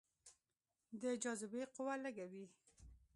د جاذبې قوه لږه وي.